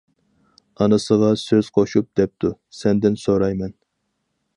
ئانىسىغا سۆز قوشۇپ، دەپتۇ: سەندىن سورايمەن.